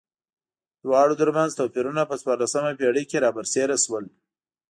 دواړو ترمنځ توپیرونه په څوارلسمه پېړۍ کې را برسېره شول.